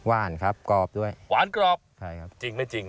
หวานครับกรอบด้วยหวานกรอบใช่ครับจริงไม่จริง